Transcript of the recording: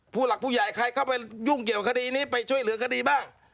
ผู้หลักผู้ใหญ่ใครเข้าไปยุ่งเกี่ยวคดีนี้ไปช่วยเหลือคดีบ้าง